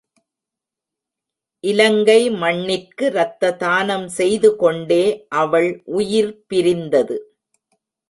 இலங்கை மண்ணிற்கு ரத்த தானம் செய்து கொண்டே அவள் உயிர் பிரிந்தது.